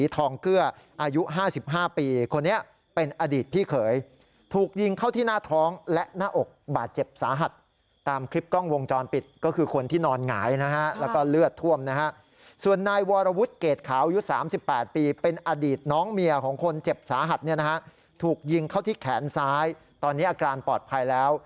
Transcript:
ถูกยิงเขาที่แขนซ้ายตอนนี้อาการปลอดภัยแล้ว